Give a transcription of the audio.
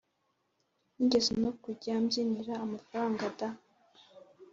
nigeze no kujya mbyinira amafaranga da!